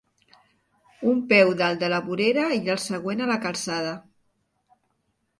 Un peu dalt de la vorera i el següent a la calçada.